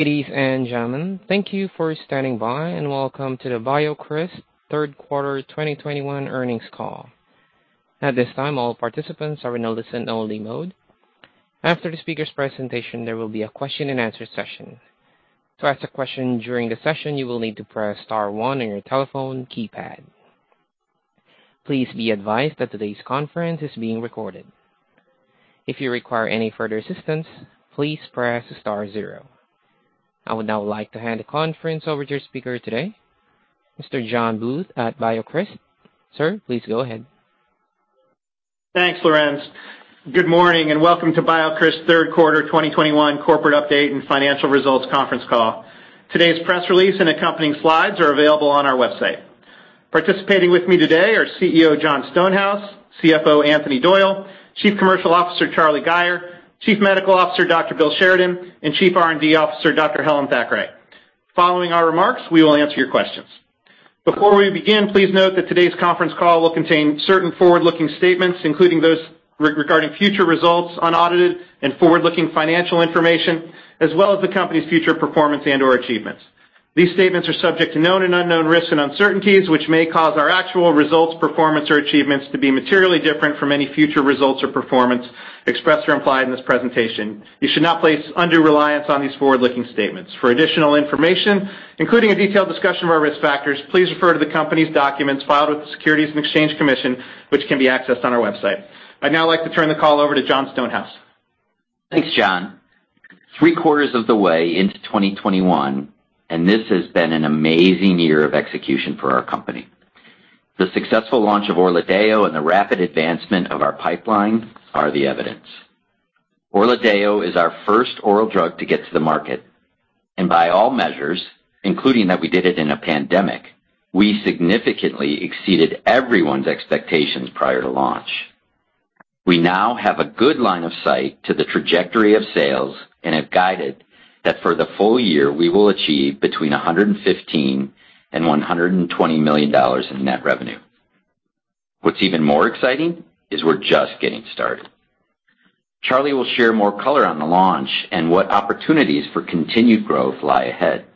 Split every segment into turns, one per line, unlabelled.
Ladies and gentlemen, thank you for standing by, and welcome to the BioCryst third quarter 2021 earnings call. At this time, all participants are in a listen-only mode. After the speaker's presentation, there will be a question-and-answer session. To ask a question during the session, you will need to press star one on your telephone keypad. Please be advised that today's conference is being recorded. If you require any further assistance, please press star zero. I would now like to hand the conference over to your speaker today, Mr. John Bluth at BioCryst. Sir, please go ahead.
Thanks, Operator. Good morning, and welcome to BioCryst third quarter 2021 corporate update and financial results conference call. Today's press release and accompanying slides are available on our website. Participating with me today are CEO Jon Stonehouse, CFO Anthony Doyle, Chief Commercial Officer Charlie Gayer, Chief Medical Officer Dr. Bill Sheridan, and Chief R&D Officer Dr. Helen Thackray. Following our remarks, we will answer your questions. Before we begin, please note that today's conference call will contain certain forward-looking statements, including those regarding future results, unaudited and forward-looking financial information, as well as the company's future performance and/or achievements. These statements are subject to known and unknown risks and uncertainties, which may cause our actual results, performance, or achievements to be materially different from any future results or performance expressed or implied in this presentation. You should not place undue reliance on these forward-looking statements. For additional information, including a detailed discussion of our risk factors, please refer to the company's documents filed with the Securities and Exchange Commission, which can be accessed on our website. I'd now like to turn the call over to Jon Stonehouse.
Thanks, John. Three-quarters of the way into 2021, and this has been an amazing year of execution for our company. The successful launch of ORLADEYO and the rapid advancement of our pipeline are the evidence. ORLADEYO is our first oral drug to get to the market, and by all measures, including that we did it in a pandemic, we significantly exceeded everyone's expectations prior to launch. We now have a good line of sight to the trajectory of sales and have guided that for the full year, we will achieve between $115 million and $120 million in net revenue. What's even more exciting is we're just getting started. Charlie will share more color on the launch and what opportunities for continued growth lie ahead.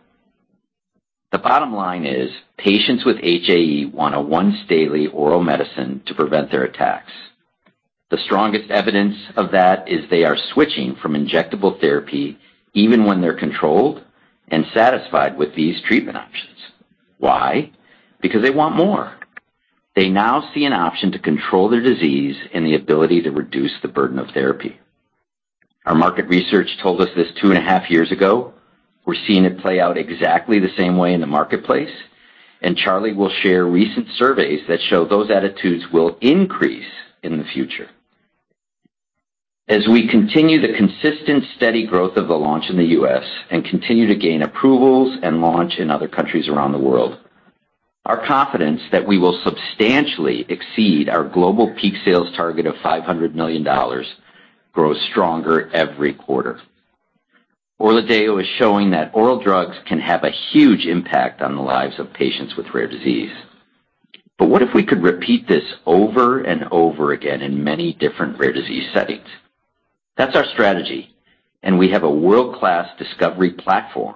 The bottom line is patients with HAE want a once-daily oral medicine to prevent their attacks. The strongest evidence of that is they are switching from injectable therapy even when they're controlled and satisfied with these treatment options. Why? Because they want more. They now see an option to control their disease and the ability to reduce the burden of therapy. Our market research told us this 2.5 years ago. We're seeing it play out exactly the same way in the marketplace, and Charlie will share recent surveys that show those attitudes will increase in the future. As we continue the consistent, steady growth of the launch in the U.S. and continue to gain approvals and launch in other countries around the world, our confidence that we will substantially exceed our global peak sales target of $500 million grows stronger every quarter. ORLADEYO is showing that oral drugs can have a huge impact on the lives of patients with rare disease. What if we could repeat this over and over again in many different rare disease settings? That's our strategy, and we have a world-class discovery platform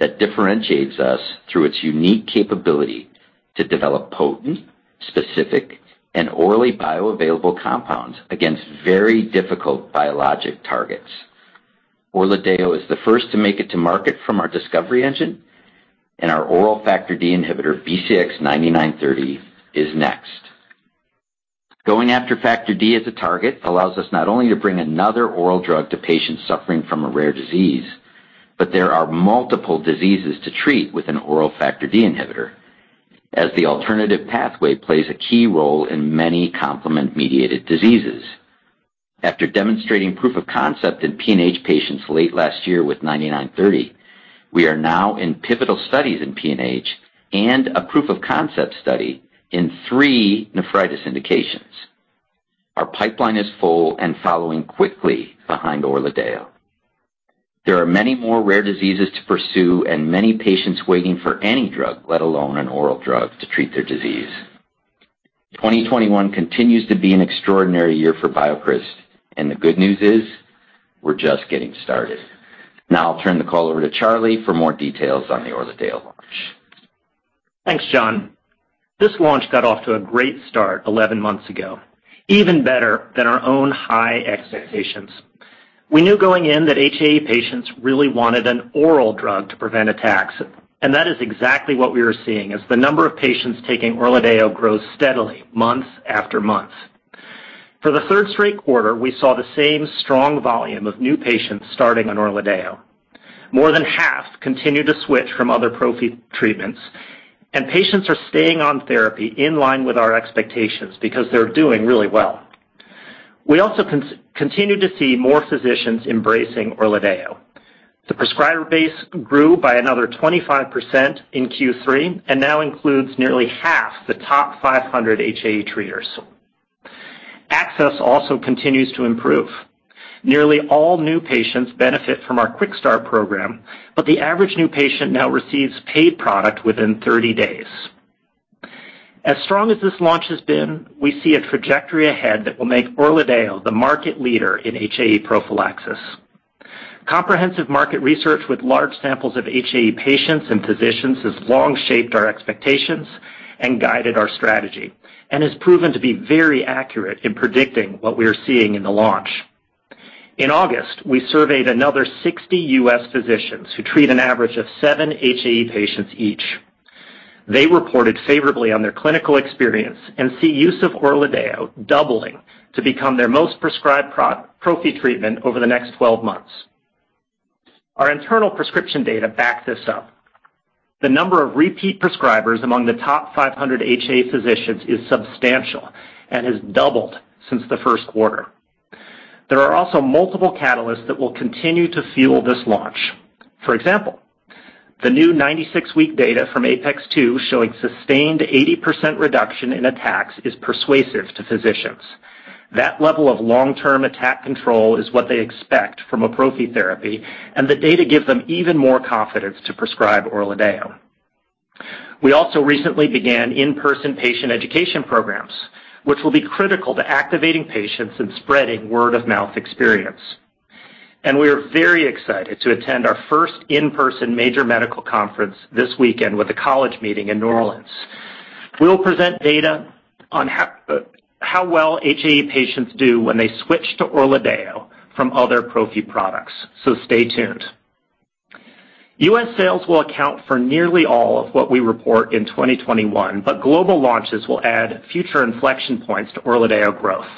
that differentiates us through its unique capability to develop potent, specific, and orally bioavailable compounds against very difficult biologic targets. ORLADEYO is the first to make it to market from our discovery engine, and our oral Factor D inhibitor, BCX9930, is next. Going after Factor D as a target allows us not only to bring another oral drug to patients suffering from a rare disease, but there are multiple diseases to treat with an oral Factor D inhibitor, as the alternative pathway plays a key role in many complement-mediated diseases. After demonstrating proof of concept in PNH patients late last year with BCX9930, we are now in pivotal studies in PNH and a proof of concept study in three nephritis indications. Our pipeline is full and following quickly behind ORLADEYO. There are many more rare diseases to pursue and many patients waiting for any drug, let alone an oral drug, to treat their disease. 2021 continues to be an extraordinary year for BioCryst, and the good news is we're just getting started. Now I'll turn the call over to Charlie for more details on the ORLADEYO launch.
Thanks, Jon. This launch got off to a great start 11 months ago, even better than our own high expectations. We knew going in that HAE patients really wanted an oral drug to prevent attacks, and that is exactly what we are seeing as the number of patients taking ORLADEYO grows steadily month after month. For the third straight quarter, we saw the same strong volume of new patients starting on ORLADEYO. More than half continue to switch from other prophy treatments, and patients are staying on therapy in line with our expectations because they're doing really well. We also continue to see more physicians embracing ORLADEYO. The prescriber base grew by another 25% in Q3 and now includes nearly half the top 500 HAE treaters. Access also continues to improve. Nearly all new patients benefit from our Quick Start program, but the average new patient now receives paid product within 30 days. As strong as this launch has been, we see a trajectory ahead that will make ORLADEYO the market leader in HAE prophylaxis. Comprehensive market research with large samples of HAE patients and physicians has long shaped our expectations and guided our strategy and has proven to be very accurate in predicting what we are seeing in the launch. In August, we surveyed another 60 U.S. physicians who treat an average of seven HAE patients each. They reported favorably on their clinical experience and see use of ORLADEYO doubling to become their most prescribed prophy treatment over the next 12 months. Our internal prescription data backs this up. The number of repeat prescribers among the top 500 HAE physicians is substantial and has doubled since the first quarter. There are also multiple catalysts that will continue to fuel this launch. For example, the new 96-week data from APeX-2 showing sustained 80% reduction in attacks is persuasive to physicians. That level of long-term attack control is what they expect from a prophy therapy, and the data gives them even more confidence to prescribe ORLADEYO. We also recently began in-person patient education programs, which will be critical to activating patients and spreading word of mouth experience. We are very excited to attend our first in-person major medical conference this weekend with the college meeting in New Orleans. We will present data on how well HAE patients do when they switch to ORLADEYO from other prophy products. Stay tuned. U.S. sales will account for nearly all of what we report in 2021, but global launches will add future inflection points to ORLADEYO growth.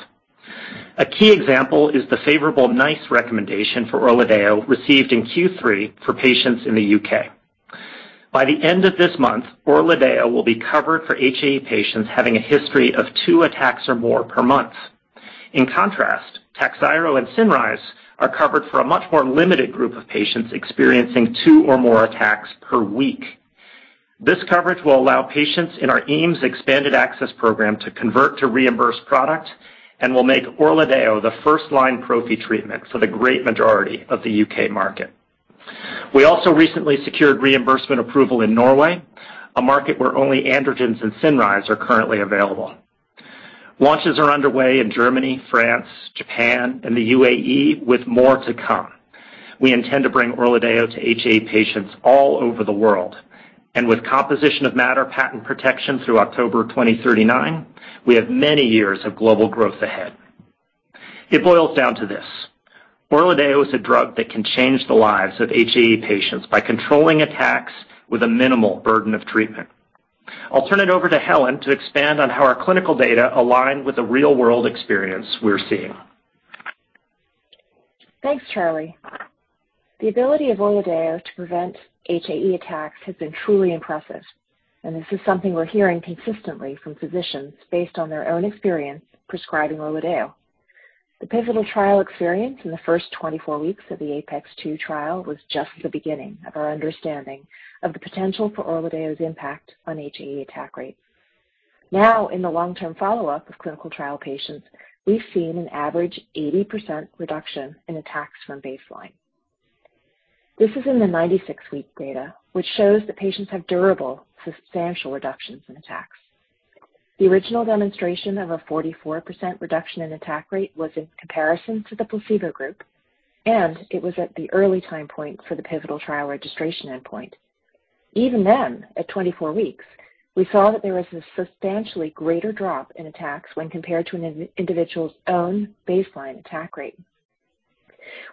A key example is the favorable NICE recommendation for ORLADEYO received in Q3 for patients in the U.K. By the end of this month, ORLADEYO will be covered for HAE patients having a history of two attacks or more per month. In contrast, Takhzyro and CINRYZE are covered for a much more limited group of patients experiencing two or more attacks per week. This coverage will allow patients in our EAMS expanded access program to convert to reimbursed product and will make ORLADEYO the first line prophy treatment for the great majority of the U.K. market. We also recently secured reimbursement approval in Norway, a market where only androgens and CINRYZE are currently available. Launches are underway in Germany, France, Japan and the UAE, with more to come. We intend to bring ORLADEYO to HAE patients all over the world. With composition of matter patent protection through October 2039, we have many years of global growth ahead. It boils down to this. ORLADEYO is a drug that can change the lives of HAE patients by controlling attacks with a minimal burden of treatment. I'll turn it over to Helen to expand on how our clinical data align with the real-world experience we're seeing.
Thanks, Charlie. The ability of ORLADEYO to prevent HAE attacks has been truly impressive, and this is something we're hearing consistently from physicians based on their own experience prescribing ORLADEYO. The pivotal trial experience in the first 24 weeks of the APeX-2 trial was just the beginning of our understanding of the potential for ORLADEYO's impact on HAE attack rate. Now, in the long term follow up of clinical trial patients, we've seen an average 80% reduction in attacks from baseline. This is in the 96 week data, which shows that patients have durable, substantial reductions in attacks. The original demonstration of a 44% reduction in attack rate was in comparison to the placebo group, and it was at the early time point for the pivotal trial registration endpoint. Even then, at 24 weeks, we saw that there was a substantially greater drop in attacks when compared to an individual's own baseline attack rate.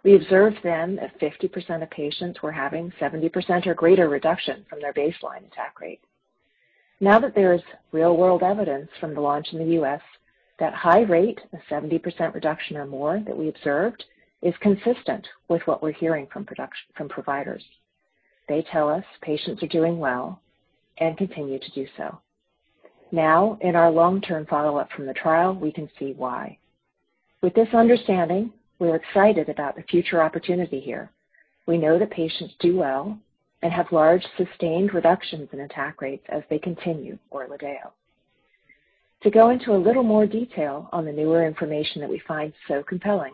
We observed then that 50% of patients were having 70% or greater reduction from their baseline attack rate. Now that there is real-world evidence from the launch in the U.S., that high rate of 70% reduction or more that we observed is consistent with what we're hearing from providers. They tell us patients are doing well and continue to do so. Now, in our long term follow up from the trial, we can see why. With this understanding, we're excited about the future opportunity here. We know that patients do well and have large, sustained reductions in attack rates as they continue ORLADEYO. To go into a little more detail on the newer information that we find so compelling,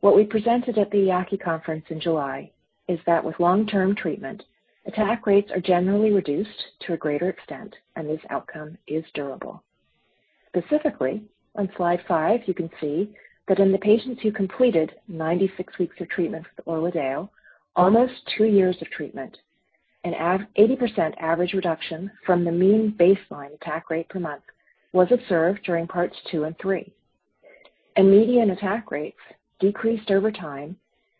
what we presented at the EAACI conference in July is that with long-term treatment, attack rates are generally reduced to a greater extent, and this outcome is durable. Specifically, on slide five, you can see that in the patients who completed 96 weeks of treatment with ORLADEYO, almost two years of treatment, 80% average reduction from the mean baseline attack rate per month was observed during parts two and three, and median attack rates decreased over time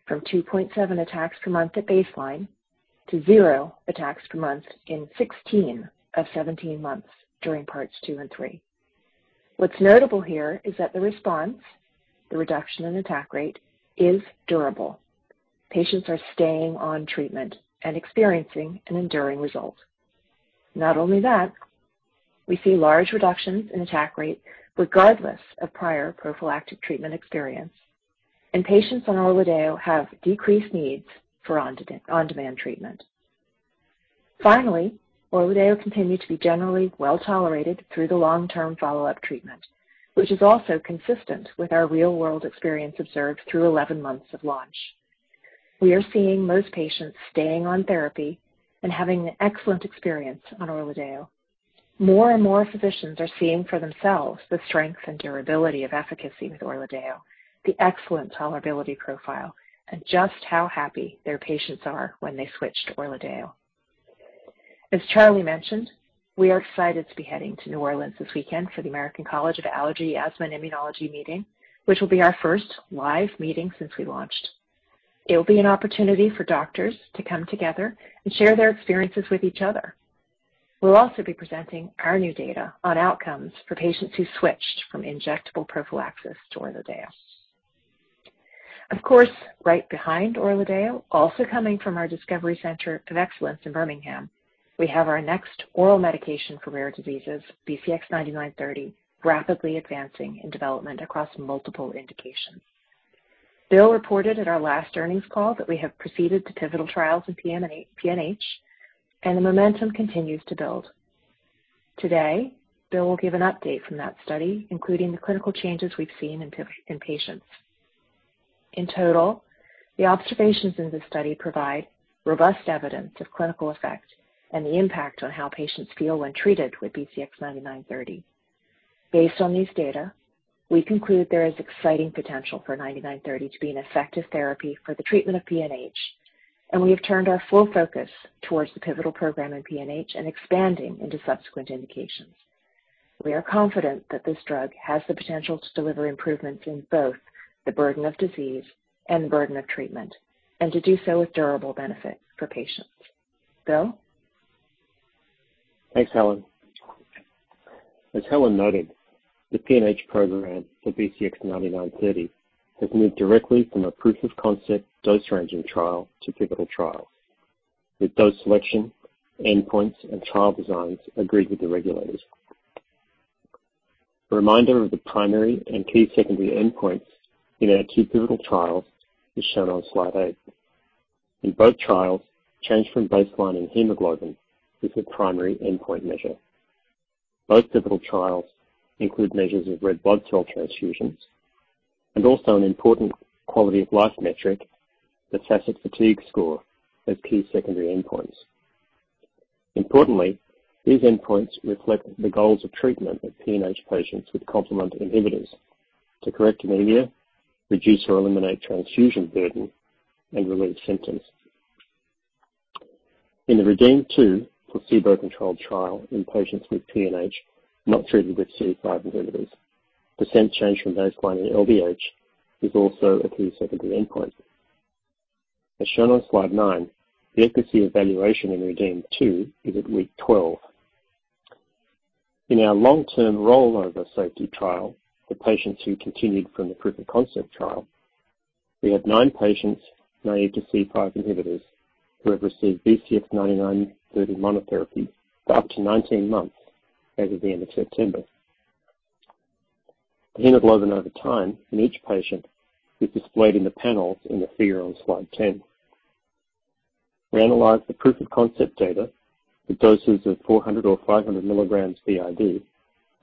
from 2.7 attacks per month at baseline to zero attacks per month in 16 of 17 months during parts two and three. What's notable here is that the response, the reduction in attack rate, is durable. Patients are staying on treatment and experiencing an enduring result. Not only that, we see large reductions in attack rate regardless of prior prophylactic treatment experience, and patients on ORLADEYO have decreased needs for on-demand treatment. Finally, ORLADEYO continued to be generally well tolerated through the long-term follow up treatment, which is also consistent with our real world experience observed through 11 months of launch. We are seeing most patients staying on therapy and having an excellent experience on ORLADEYO. More and more physicians are seeing for themselves the strength and durability of efficacy with ORLADEYO, the excellent tolerability profile, and just how happy their patients are when they switch to ORLADEYO. As Charlie mentioned, we are excited to be heading to New Orleans this weekend for the American College of Allergy, Asthma and Immunology meeting, which will be our first live meeting since we launched. It will be an opportunity for doctors to come together and share their experiences with each other. We'll also be presenting our new data on outcomes for patients who switched from injectable prophylaxis to ORLADEYO. Of course, right behind ORLADEYO, also coming from our Discovery Center of Excellence in Birmingham, we have our next oral medication for rare diseases, BCX9930, rapidly advancing in development across multiple indications. Bill reported at our last earnings call that we have proceeded to pivotal trials in PNH, and the momentum continues to build. Today, Bill will give an update from that study, including the clinical changes we've seen in patients. In total, the observations in this study provide robust evidence of clinical effect and the impact on how patients feel when treated with BCX9930. Based on these data, we conclude there is exciting potential for BCX9930 to be an effective therapy for the treatment of PNH, and we have turned our full focus towards the pivotal program in PNH and expanding into subsequent indications. We are confident that this drug has the potential to deliver improvements in both the burden of disease and the burden of treatment, and to do so with durable benefit for patients. Bill?
Thanks, Helen. As Helen noted, the PNH program for BCX9930 has moved directly from a proof-of-concept dose ranging trial to pivotal trials, with dose selection, endpoints, and trial designs agreed with the regulators. A reminder of the primary and key secondary endpoints in our two pivotal trials is shown on slide eight. In both trials, change from baseline in hemoglobin is the primary endpoint measure. Both pivotal trials include measures of red blood cell transfusions and also an important quality-of-life metric, the FACIT-Fatigue Score, as key secondary endpoints. Importantly, these endpoints reflect the goals of treatment of PNH patients with complement inhibitors to correct anemia, reduce or eliminate transfusion burden, and relieve symptoms. In the REDEEM-2 placebo-controlled trial in patients with PNH not treated with C5 inhibitors, percent change from baseline in LDH is also a key secondary endpoint. As shown on slide nine, the efficacy evaluation in REDEEM-2 is at week 12. In our long-term rollover safety trial for patients who continued from the proof-of-concept trial, we had nine patients naive to C5 inhibitors who have received BCX9930 monotherapy for up to 19 months as of the end of September. The hemoglobin over time in each patient is displayed in the panels in the figure on slide 10. We analyzed the proof-of-concept data with doses of 400 or 500 mg BID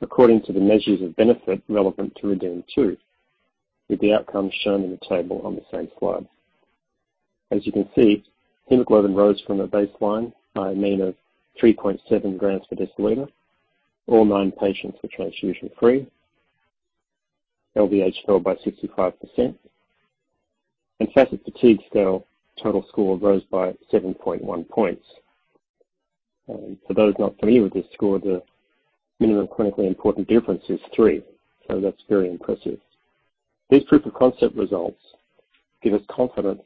according to the measures of benefit relevant to REDEEM-2, with the outcomes shown in the table on the same slide. As you can see, hemoglobin rose from a baseline by a mean of 3.7 g/dL. All nine patients were transfusion-free. LDH fell by 65%, and FACIT-Fatigue Scale total score rose by 7.1 points. For those not familiar with this score, the minimum clinically important difference is three, so that's very impressive. These proof-of-concept results give us confidence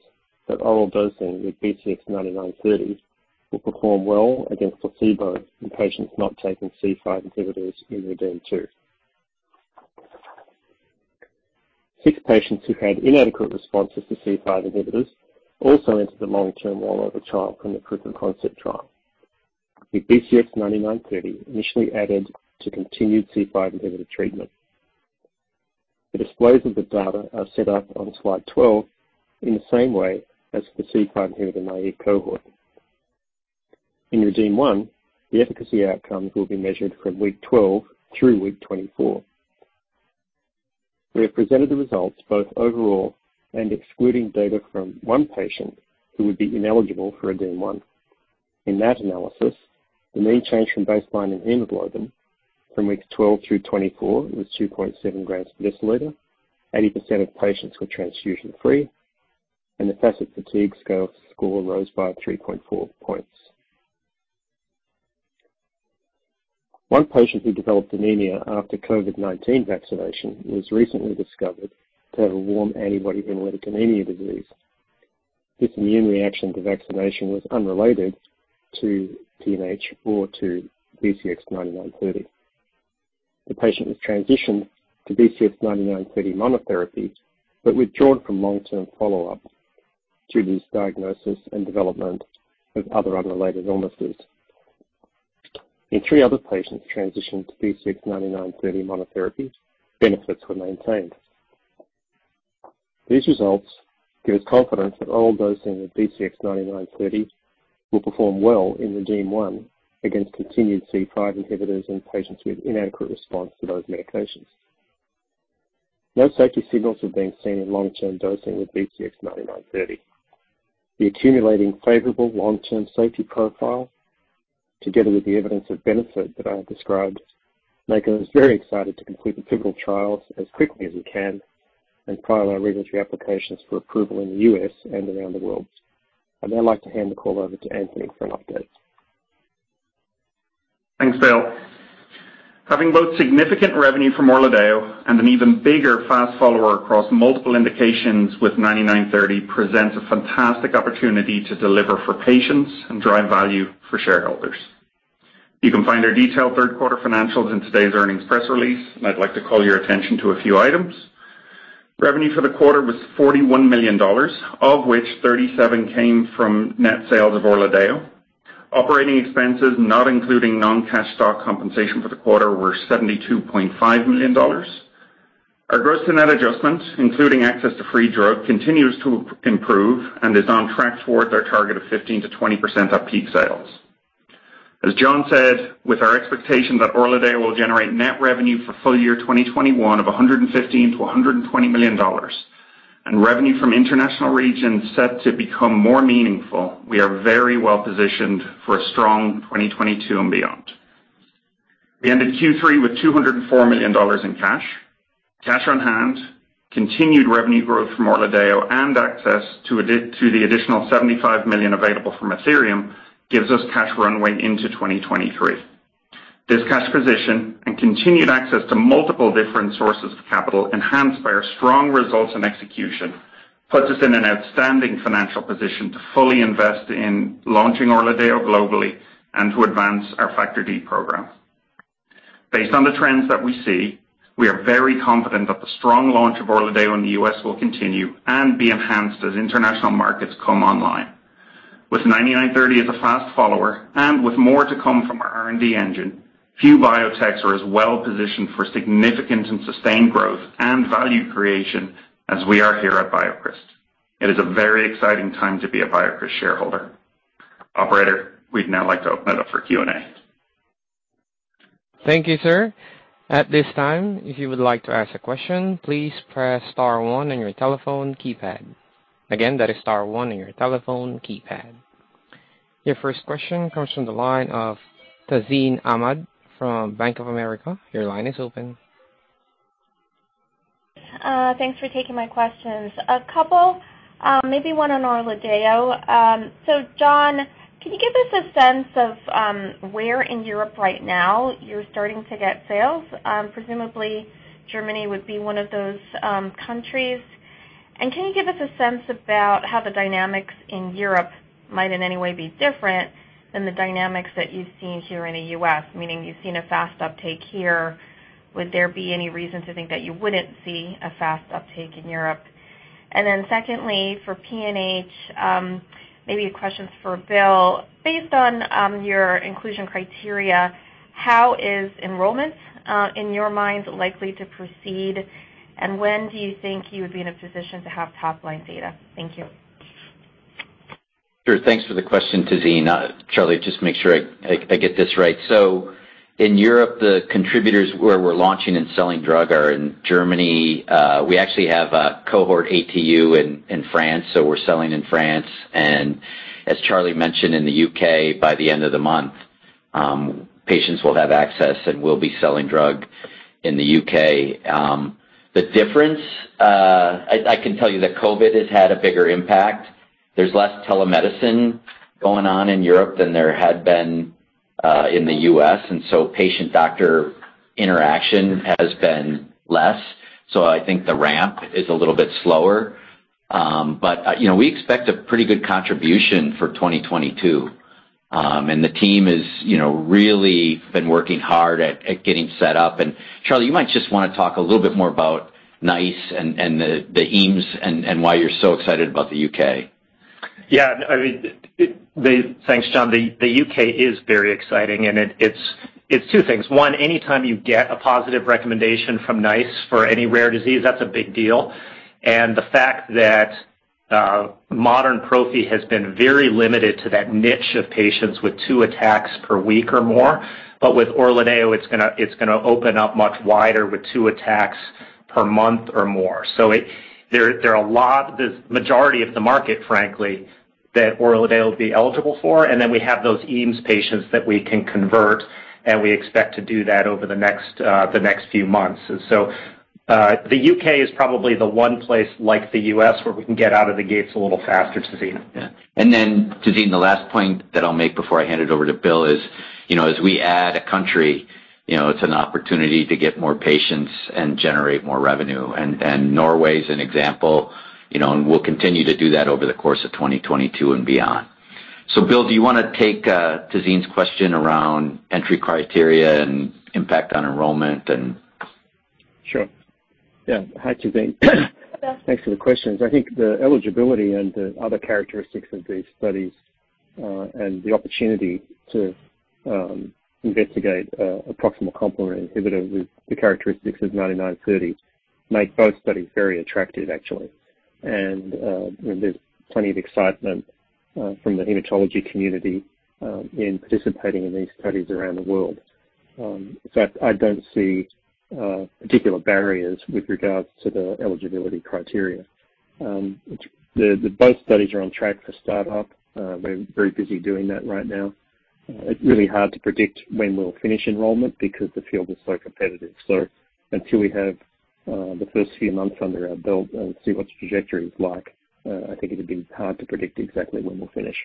that oral dosing with BCX9930 will perform well against placebo in patients not taking C5 inhibitors in REDEEM-2. Six patients who had inadequate responses to C5 inhibitors also entered the long-term rollover trial from the proof-of-concept trial, with BCX9930 initially added to continued C5 inhibitor treatment. The displays of the data are set up on slide 12 in the same way as the C5 inhibitor-naive cohort. In REDEEM-1, the efficacy outcomes will be measured from week 12 through week 24. We have presented the results both overall and excluding data from one patient who would be ineligible for REDEEM-1. In that analysis, the mean change from baseline in hemoglobin from weeks 12 through 24 was 2.7 grams per deciliter, 80% of patients were transfusion-free, and the FACIT-Fatigue Scale score rose by 3.4 points. One patient who developed anemia after COVID-19 vaccination was recently discovered to have a warm antibody hemolytic anemia. This immune reaction to vaccination was unrelated to PNH or to BCX9930. The patient was transitioned to BCX9930 monotherapy, but withdrawn from long-term follow-up due to this diagnosis and development of other unrelated illnesses. In three other patients transitioned to BCX9930 monotherapy, benefits were maintained. These results give us confidence that oral dosing with BCX9930 will perform well in REDEEM-1 against continued C5 inhibitors in patients with inadequate response to those medications. No safety signals have been seen in long-term dosing with BCX9930. The accumulating favorable long-term safety profile, together with the evidence of benefit that I have described, make us very excited to complete the pivotal trials as quickly as we can and file our regulatory applications for approval in the U.S. and around the world. I'd now like to hand the call over to Anthony for an update.
Thanks, Bill. Having both significant revenue from ORLADEYO and an even bigger fast follower across multiple indications with BCX9930 presents a fantastic opportunity to deliver for patients and drive value for shareholders. You can find our detailed third quarter financials in today's earnings press release, and I'd like to call your attention to a few items. Revenue for the quarter was $41 million, of which $37 million came from net sales of ORLADEYO. Operating expenses, not including non-cash stock compensation for the quarter, were $72.5 million. Our gross to net adjustments, including access to free drug, continues to improve and is on track towards our target of 15%-20% at peak sales. As Jon said, with our expectation that ORLADEYO will generate net revenue for full year 2021 of $115 million-$120 million and revenue from international regions set to become more meaningful, we are very well-positioned for a strong 2022 and beyond. We ended Q3 with $204 million in cash. Cash on hand, continued revenue growth from ORLADEYO, and access to the additional $75 million available from Athyrium gives us cash runway into 2023. This cash position and continued access to multiple different sources of capital, enhanced by our strong results and execution, puts us in an outstanding financial position to fully invest in launching ORLADEYO globally and to advance our Factor D program. Based on the trends that we see, we are very confident that the strong launch of ORLADEYO in the U.S. will continue and be enhanced as international markets come online. With 9930 as a fast follower and with more to come from our R&D engine, few biotechs are as well-positioned for significant and sustained growth and value creation as we are here at BioCryst. It is a very exciting time to be a BioCryst shareholder. Operator, we'd now like to open it up for Q&A.
Thank you, sir. At this time, if you would like to ask a question, please press star one on your telephone keypad. Again, that is star one on your telephone keypad. Your first question comes from the line of Tazeen Ahmad from Bank of America Securities. Your line is open.
Thanks for taking my questions. A couple, maybe one on ORLADEYO. Jon, can you give us a sense of where in Europe right now you're starting to get sales? Presumably Germany would be one of those countries. Can you give us a sense about how the dynamics in Europe might in any way be different than the dynamics that you've seen here in the U.S., meaning you've seen a fast uptake here. Would there be any reason to think that you wouldn't see a fast uptake in Europe? Secondly, for PNH, maybe a question for Bill. Based on your inclusion criteria, how is enrollment in your mind likely to proceed and when do you think you would be in a position to have top-line data? Thank you.
Sure. Thanks for the question, Tazeen. Charlie, just make sure I get this right. In Europe, the contributors where we're launching and selling drug are in Germany. We actually have a cohort ATU in France, so we're selling in France. As Charlie mentioned, in the U.K., by the end of the month, patients will have access, and we'll be selling drug in the U.K. The difference, I can tell you that COVID has had a bigger impact. There's less telemedicine going on in Europe than there had been in the U.S., and patient-doctor interaction has been less. I think the ramp is a little bit slower. You know, we expect a pretty good contribution for 2022. The team has, you know, really been working hard at getting set up. Charlie, you might just wanna talk a little bit more about NICE and the EAMS and why you're so excited about the U.K.
I mean, thanks, Jon. The U.K. is very exciting, and it's two things. One, anytime you get a positive recommendation from NICE for any rare disease, that's a big deal. The fact that modern prophy has been very limited to that niche of patients with two attacks per week or more. With ORLADEYO, it's gonna open up much wider with two attacks per month or more. The majority of the market, frankly, that ORLADEYO will be eligible for, and then we have those EAMS patients that we can convert, and we expect to do that over the next few months. The U.K. is probably the one place like the U.S. where we can get out of the gates a little faster, Tazeen.
Yeah. Tazeen, the last point that I'll make before I hand it over to Bill is, you know, as we add a country, you know, it's an opportunity to get more patients and generate more revenue. Norway is an example, you know, and we'll continue to do that over the course of 2022 and beyond. Bill, do you wanna take Tazeen's question around entry criteria and impact on enrollment and...
Sure. Yeah. Hi, Tazeen.
Yes.
Thanks for the questions. I think the eligibility and the other characteristics of these studies and the opportunity to investigate a proximal complement inhibitor with the characteristics of 9930 make both studies very attractive, actually. There's plenty of excitement from the hematology community in participating in these studies around the world. I don't see particular barriers with regards to the eligibility criteria. Both studies are on track for startup. We're very busy doing that right now. It's really hard to predict when we'll finish enrollment because the field is so competitive. Until we have the first few months under our belt and see what the trajectory is like, I think it'd be hard to predict exactly when we'll finish.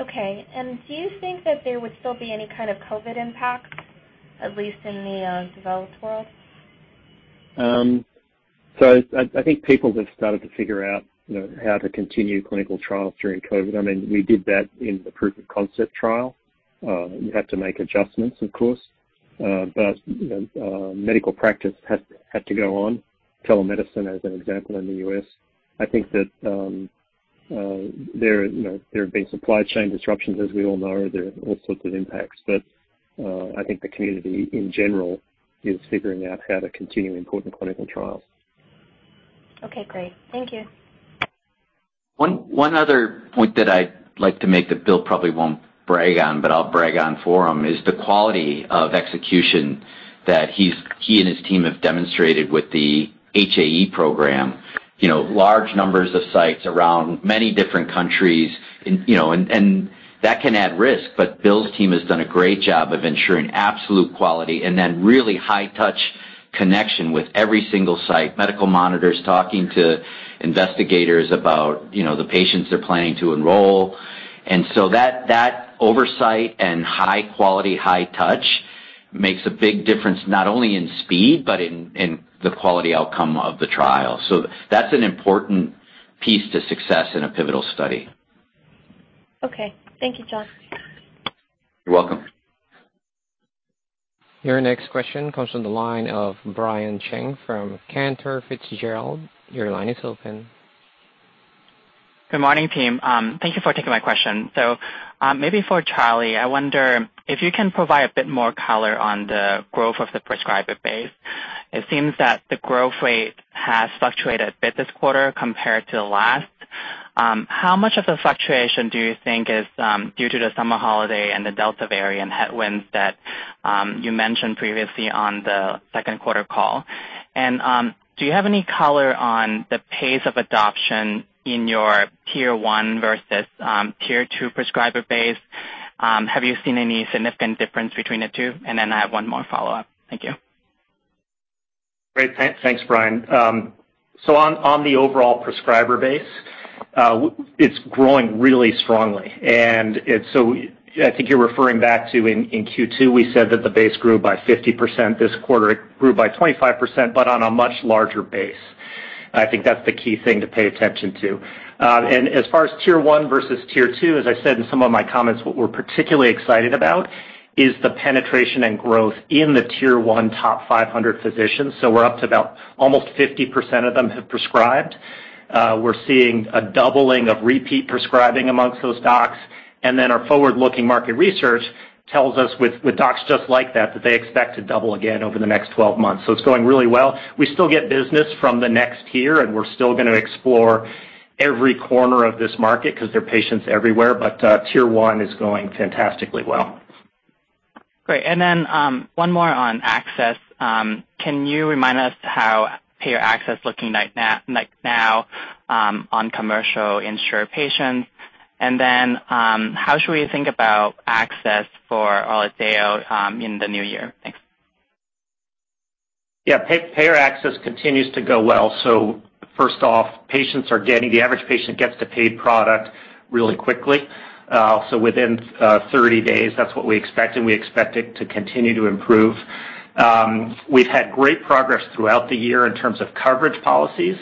Okay. Do you think that there would still be any kind of COVID impact, at least in the developed world?
I think people have started to figure out, you know, how to continue clinical trials during COVID. I mean, we did that in the proof of concept trial. We had to make adjustments, of course. You know, medical practice had to go on, telemedicine as an example in the U.S. I think that there, you know, there have been supply chain disruptions, as we all know, there are all sorts of impacts. I think the community in general is figuring out how to continue important clinical trials.
Okay, great. Thank you.
One other point that I'd like to make that Bill probably won't brag on, but I'll brag on for him, is the quality of execution that he and his team have demonstrated with the HAE program. You know, large numbers of sites around many different countries, and you know, and that can add risk. Bill's team has done a great job of ensuring absolute quality and then really high touch connection with every single site, medical monitors talking to investigators about, you know, the patients they're planning to enroll. That oversight and high quality, high touch makes a big difference not only in speed, but in the quality outcome of the trial. That's an important piece to success in a pivotal study.
Okay. Thank you, Jon.
You're welcome.
Your next question comes from the line of Brian Cheng from Cantor Fitzgerald. Your line is open.
Good morning, team. Thank you for taking my question. Maybe for Charlie, I wonder if you can provide a bit more color on the growth of the prescriber base. It seems that the growth rate has fluctuated a bit this quarter compared to last. How much of the fluctuation do you think is due to the summer holiday and the Delta variant headwinds that you mentioned previously on the second quarter call? Do you have any color on the pace of adoption in your tier one versus tier two prescriber base? Have you seen any significant difference between the two? I have one more follow-up. Thank you.
Great. Thanks, Brian. On the overall prescriber base, it's growing really strongly. I think you're referring back to in Q2, we said that the base grew by 50% this quarter. It grew by 25%, but on a much larger base. I think that's the key thing to pay attention to. As far as tier one versus tier two, as I said in some of my comments, what we're particularly excited about is the penetration and growth in the tier one top 500 physicians. We're up to about almost 50% of them have prescribed. We're seeing a doubling of repeat prescribing amongst those docs. Our forward-looking market research tells us with docs just like that they expect to double again over the next 12 months. It's going really well. We still get business from the next tier, and we're still gonna explore every corner of this market 'cause there are patients everywhere. Tier one is going fantastically well.
Great. One more on access. Can you remind us how payer access is looking right now on commercially insured patients? How should we think about access for ORLADEYO in the new year? Thanks.
Yeah. Payer access continues to go well. First off, patients are getting the paid product really quickly. The average patient gets the paid product really quickly. Within 30 days, that's what we expect, and we expect it to continue to improve. We've had great progress throughout the year in terms of coverage policies.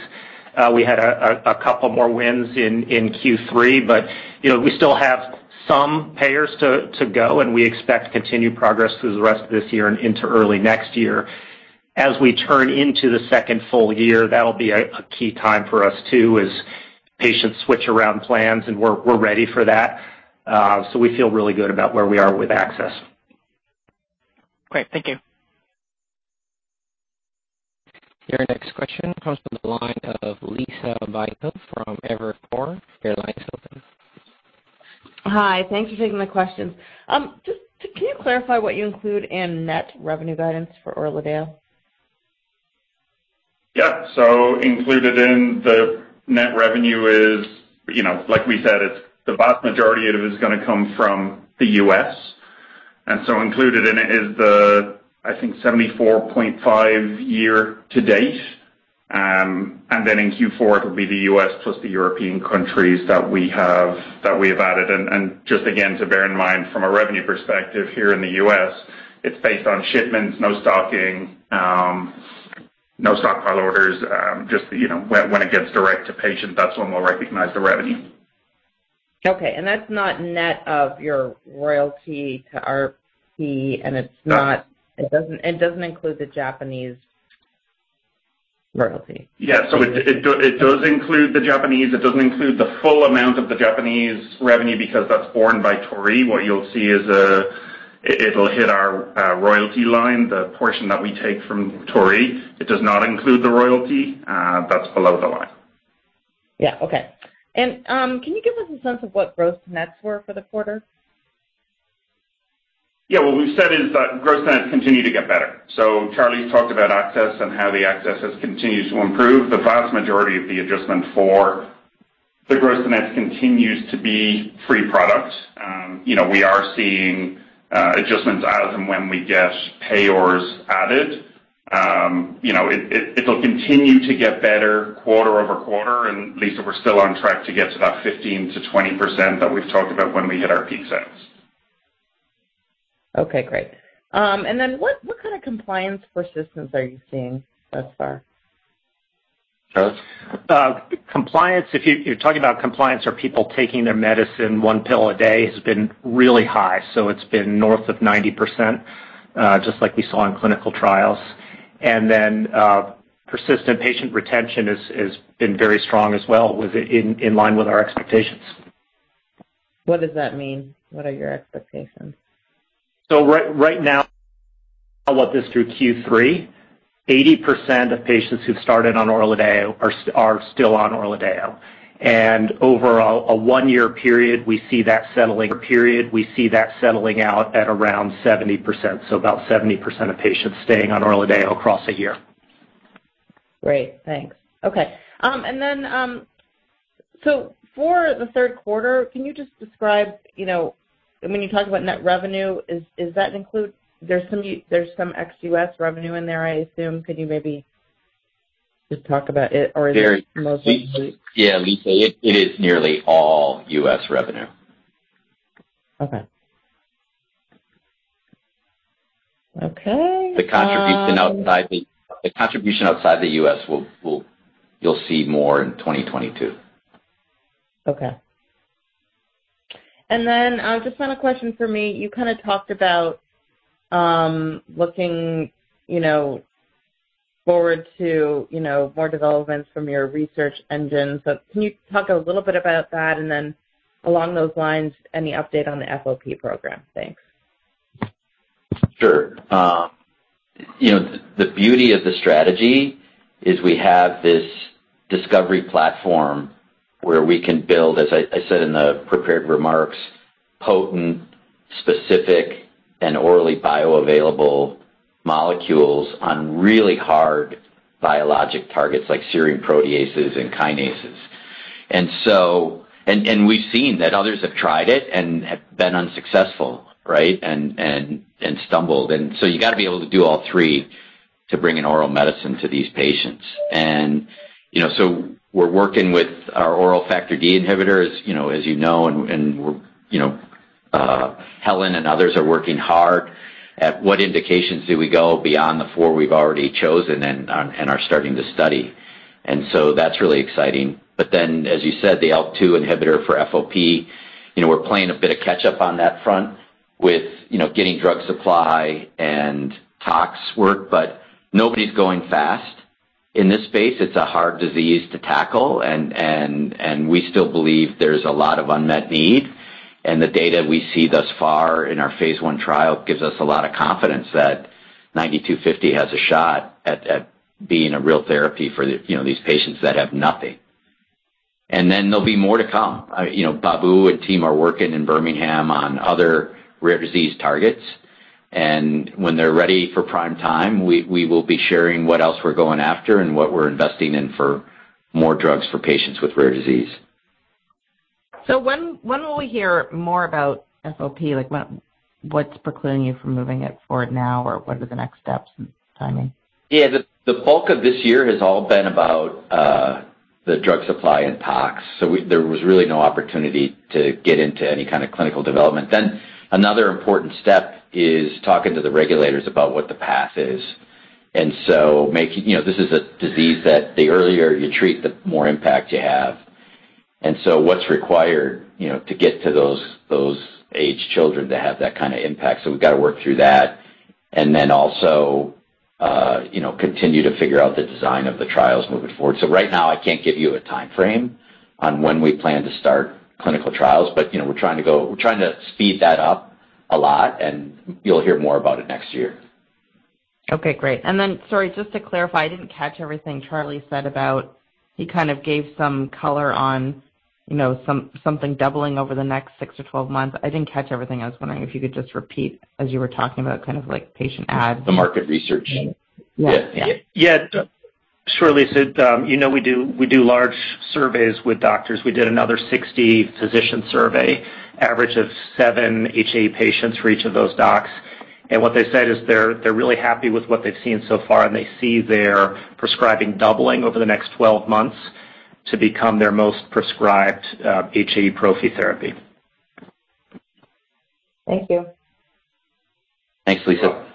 We had a couple more wins in Q3, but you know, we still have some payers to go, and we expect continued progress through the rest of this year and into early next year. As we turn into the second full year, that'll be a key time for us too, as patients switch around plans and we're ready for that. We feel really good about where we are with access.
Great. Thank you.
Your next question comes from the line of Liisa Bayko from Evercore ISI. Your line is open.
Hi. Thanks for taking my questions. Just, can you clarify what you include in net revenue guidance for ORLADEYO?
Included in the net revenue is, you know, like we said, it's the vast majority of it is gonna come from the U.S. Included in it is the, I think, $74.5 year to date. Then in Q4, it'll be the U.S. plus the European countries that we have added. Just again, to bear in mind from a revenue perspective here in the U.S., it's based on shipments, no stocking, no stockpile orders, just, you know, when it gets direct to patient, that's when we'll recognize the revenue.
Okay. That's not net of your royalty to RP, and it's not.
No.
It doesn't include the Japanese royalty.
Yeah. It does include the Japanese. It doesn't include the full amount of the Japanese revenue because that's borne by Torii. What you'll see is a- It'll hit our royalty line, the portion that we take from Torii. It does not include the royalty that's below the line.
Yeah. Okay, can you give us a sense of what gross-to-nets were for the quarter?
Yeah. What we've said is that gross nets continue to get better. Charlie's talked about access and how the access has continued to improve. The vast majority of the adjustment for the gross nets continues to be free product. You know, we are seeing adjustments as and when we get payers added. You know, it'll continue to get better quarter-over-quarter, and Lisa, we're still on track to get to that 15%-20% that we've talked about when we hit our peak sales.
Okay, great. What kind of compliance persistence are you seeing thus far?
Charles?
Compliance, if you're talking about compliance, are people taking their medicine one pill a day, has been really high. It's been north of 90%, just like we saw in clinical trials. Persistent patient retention has been very strong as well, with it in line with our expectations.
What does that mean? What are your expectations?
Right now, looking through Q3, 80% of patients who've started on ORLADEYO are still on ORLADEYO. Over a one-year period, we see that settling out at around 70%. About 70% of patients staying on ORLADEYO across a year.
Great. Thanks. Okay. For the third quarter, can you just describe, you know? I mean, you talked about net revenue. Is that included? There's some ex-US revenue in there, I assume. Could you maybe just talk about it or is it mostly
Yeah, Liisa, it is nearly all U.S. revenue.
Okay.
The contribution outside the U.S. will. You'll see more in 2022.
Okay. Just another question for me. You kinda talked about looking, you know, forward to, you know, more developments from your research engines. Can you talk a little bit about that? Along those lines, any update on the FOP program? Thanks.
Sure. You know, the beauty of the strategy is we have this discovery platform where we can build, as I said in the prepared remarks, potent, specific and orally bioavailable molecules on really hard biologic targets like serine proteases and kinases. We've seen that others have tried it and have been unsuccessful, right? And stumbled. You gotta be able to do all three to bring an oral medicine to these patients. You know, we're working with our oral Factor D inhibitors, you know, as you know, and Helen and others are working hard at what indications do we go beyond the four we've already chosen and are starting to study. That's really exciting. As you said, the ALK-2 inhibitor for FOP, you know, we're playing a bit of catch-up on that front with, you know, getting drug supply and tox work, but nobody's going fast in this space. It's a hard disease to tackle, and we still believe there's a lot of unmet need. The data we see thus far in our phase I trial gives us a lot of confidence that BCX9250 has a shot at being a real therapy for the, you know, these patients that have nothing. Then there'll be more to come. You know, Babu and team are working in Birmingham on other rare disease targets. When they're ready for prime time, we will be sharing what else we're going after and what we're investing in for more drugs for patients with rare disease.
when will we hear more about FOP? Like what's precluding you from moving it forward now? Or what are the next steps and timing?
Yeah. The bulk of this year has all been about the drug supply and tox. There was really no opportunity to get into any kind of clinical development. Another important step is talking to the regulators about what the path is. You know, this is a disease that the earlier you treat, the more impact you have. You know, what's required to get to those aged children to have that kind of impact. We've got to work through that and then also, you know, continue to figure out the design of the trials moving forward. Right now I can't give you a timeframe on when we plan to start clinical trials, but, you know, we're trying to speed that up a lot, and you'll hear more about it next year.
Okay, great. Sorry, just to clarify, I didn't catch everything Charlie said about. He kind of gave some color on, you know, something doubling over the next 6-12 months. I didn't catch everything. I was wondering if you could just repeat as you were talking about kind of like patient adds.
The market research?
Yes. Yeah.
Yeah. Sure, Lisa. You know, we do large surveys with doctors. We did another 60-physician survey, average of 7 HAE patients for each of those docs. What they said is they're really happy with what they've seen so far, and they see their prescribing doubling over the next 12 months to become their most prescribed HAE prophy therapy.
Thank you.
Thanks, Liisa.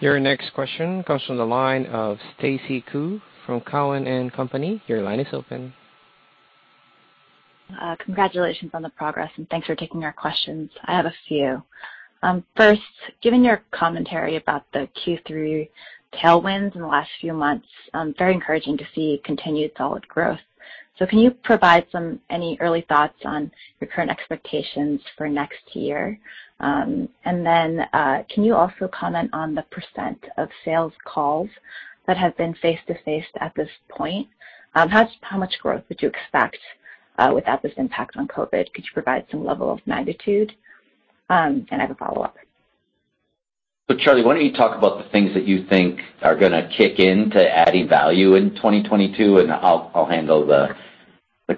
Your next question comes from the line of Stacy Ku from Cowen and Company. Your line is open.
Congratulations on the progress, and thanks for taking our questions. I have a few. First, given your commentary about the Q3 tailwinds in the last few months, very encouraging to see continued solid growth. Can you provide any early thoughts on your current expectations for next year? Can you also comment on the % of sales calls that have been face-to-face at this point? How much growth would you expect without this impact on COVID? Could you provide some level of magnitude? I have a follow-up.
Charlie, why don't you talk about the things that you think are gonna kick in to adding value in 2022, and I'll handle the question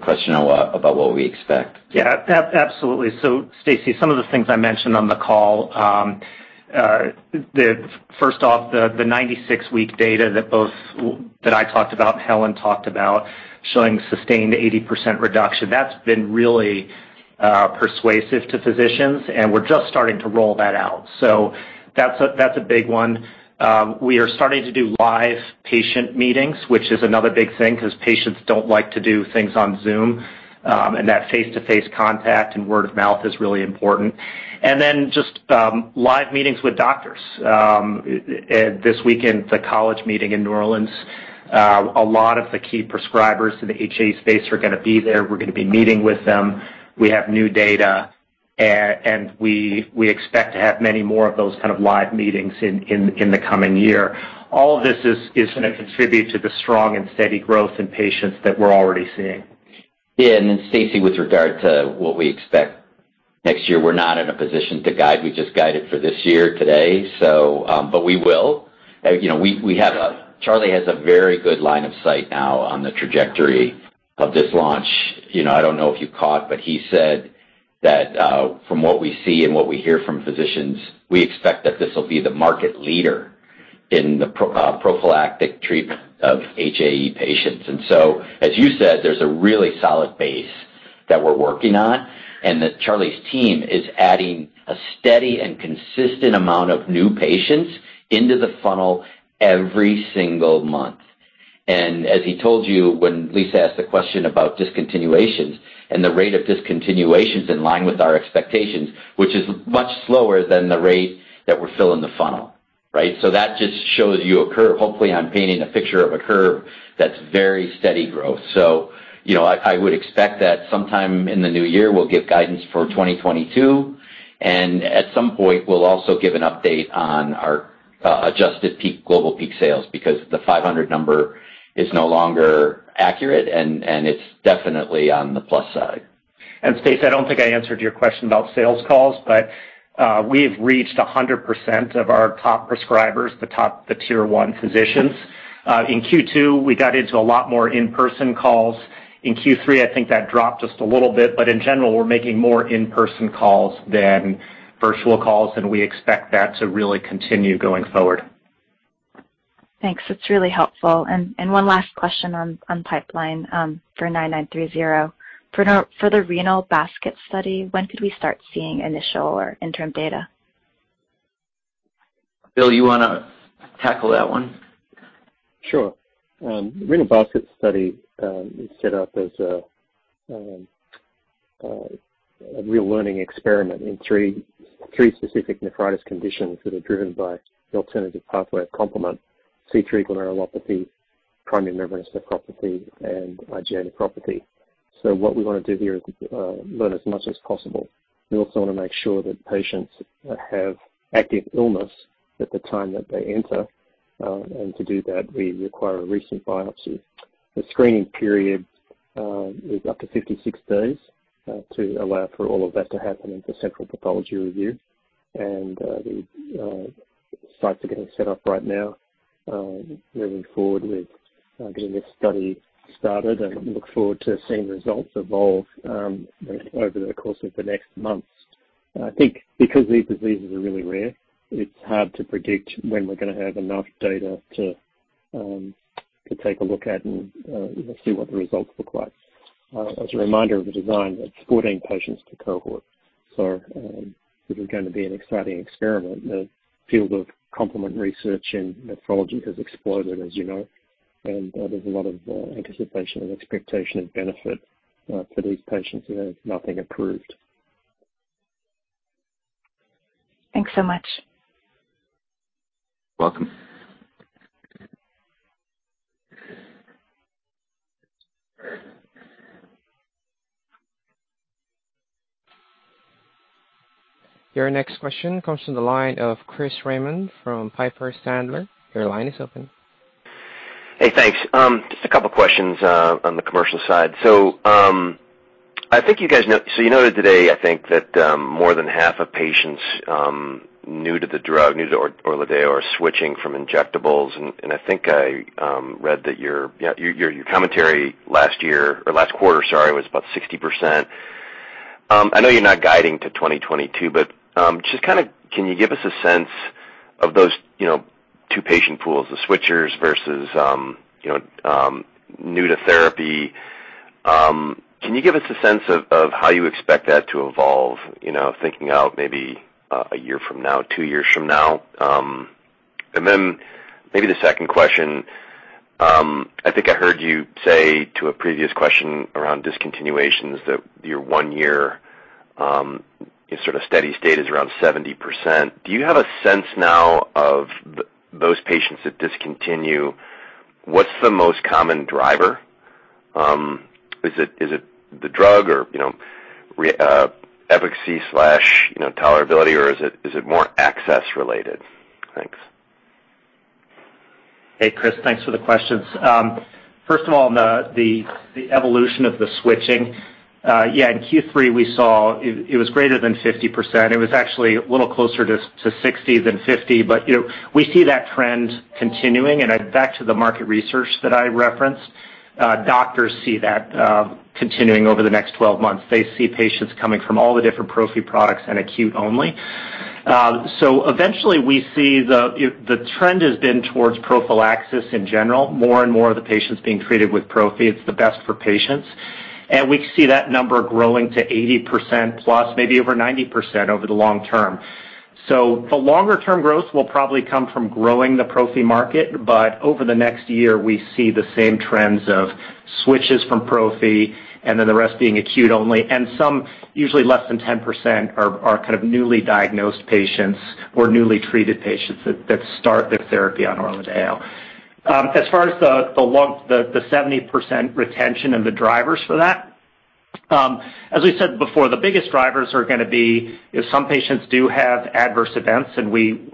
about what we expect.
Yeah. Absolutely. Stacy, some of the things I mentioned on the call, the 96-week data that I talked about and Helen talked about showing sustained 80% reduction, that's been really persuasive to physicians, and we're just starting to roll that out. That's a big one. We are starting to do live patient meetings, which is another big thing 'cause patients don't like to do things on Zoom. That face-to-face contact and word of mouth is really important. Just live meetings with doctors. This weekend, the college meeting in New Orleans, a lot of the key prescribers to the HAE space are gonna be there. We're gonna be meeting with them. We have new data, and we expect to have many more of those kind of live meetings in the coming year. All of this is gonna contribute to the strong and steady growth in patients that we're already seeing.
Yeah. Then Stacy, with regard to what we expect next year, we're not in a position to guide. We just guided for this year today. But we will. You know, we have a Charlie has a very good line of sight now on the trajectory of this launch. You know, I don't know if you caught, but he said that from what we see and what we hear from physicians, we expect that this will be the market leader in the prophylactic treatment of HAE patients. As you said, there's a really solid base that we're working on, and that Charlie's team is adding a steady and consistent amount of new patients into the funnel every single month. As he told you, when Lisa asked the question about discontinuations and the rate of discontinuations in line with our expectations, which is much slower than the rate that we're filling the funnel, right? That just shows you a curve. Hopefully, I'm painting a picture of a curve that's very steady growth. You know, I would expect that sometime in the new year, we'll give guidance for 2022. And at some point, we'll also give an update on our adjusted peak, global peak sales because the 500 number is no longer accurate and it's definitely on the plus side.
Stacy, I don't think I answered your question about sales calls, but we have reached 100% of our top prescribers, the top tier one physicians. In Q2, we got into a lot more in-person calls. In Q3, I think that dropped just a little bit. In general, we're making more in-person calls than virtual calls, and we expect that to really continue going forward.
Thanks. That's really helpful. One last question on pipeline for BCX9930. For the renal basket study, when could we start seeing initial or interim data?
Bill, you wanna tackle that one?
Sure. Renal basket study is set up as a real learning experiment in three specific nephritis conditions that are driven by the alternative pathway complement, C3 glomerulopathy, primary membranous nephropathy, and IgA nephropathy. What we wanna do here is learn as much as possible. We also wanna make sure that patients have active illness at the time that they enter. To do that, we require a recent biopsy. The screening period is up to 56 days to allow for all of that to happen in the central pathology review. The sites are getting set up right now, moving forward with getting this study started and look forward to seeing results evolve over the course of the next months. I think because these diseases are really rare, it's hard to predict when we're gonna have enough data to take a look at and see what the results look like. As a reminder of the design, it's 14 patients per cohort. This is gonna be an exciting experiment. The field of complement research in nephrology has exploded, as you know, and there's a lot of anticipation and expectation and benefit for these patients who have nothing approved.
Thanks so much.
Welcome.
Your next question comes from the line of Chris Raymond from Piper Sandler. Your line is open.
Hey, thanks. Just a couple questions on the commercial side. I think you guys so you noted today, I think, that more than half of patients new to the drug, new to ORLADEYO are switching from injectables. I think I read that your, yeah, your commentary last year or last quarter, sorry, was about 60%. I know you're not guiding to 2022, but just kinda can you give us a sense of those, you know, two patient pools, the switchers versus, you know, new to therapy? Can you give us a sense of how you expect that to evolve, you know, thinking out maybe a year from now, two years from now? Maybe the second question. I think I heard you say to a previous question around discontinuations that your one year, sort of steady state is around 70%. Do you have a sense now of those patients that discontinue? What's the most common driver? Is it the drug or, you know, efficacy slash, you know, tolerability, or is it more access related? Thanks.
Hey, Chris, thanks for the questions. First of all, on the evolution of the switching, in Q3, we saw it was greater than 50%. It was actually a little closer to 60 than 50, but, you know, we see that trend continuing. Back to the market research that I referenced, doctors see that continuing over the next 12 months. They see patients coming from all the different prophy products and acute only. Eventually we see the trend has been towards prophylaxis in general, more and more of the patients being treated with prophy. It's the best for patients. We see that number growing to 80% plus, maybe over 90% over the long term. The longer-term growth will probably come from growing the prophy market, but over the next year, we see the same trends of switches from prophy and then the rest being acute only, and some usually less than 10% are kind of newly diagnosed patients or newly treated patients that start their therapy on ORLADEYO. As far as the 70% retention and the drivers for that, as we said before, the biggest drivers are gonna be if some patients do have adverse events, and we